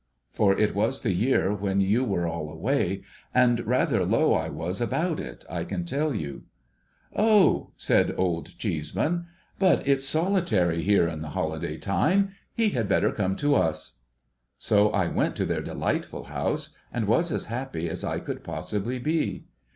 Eor it was the year when you were all away; and rather low I was about it, I can tell you. OLD CHEESEMAN'S INVITATION 51 ' Oh !' said Old Cheeseman. ' But it's solitary here in the holiday time. He had better come to us.' So I went to their delightful house, and was as happy as I could possibly be.